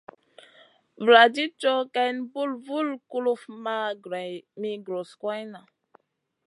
Vuladid cow geyn, bun vul kuluf ma greyn mi gros goroyna.